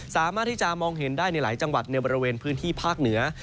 สามารถที่จะมองเห็นได้ในหลายจังหวัดในบริเวณพื้นที่ภาคเหนือ